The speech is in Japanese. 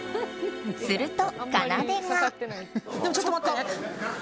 すると、かなでが。